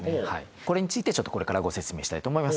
これについてこれからご説明したいと思います。